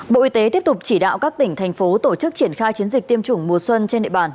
bộ y tế tiếp tục chỉ đạo các tỉnh thành phố tổ chức triển khai chiến dịch tiêm chủng mùa xuân trên địa bàn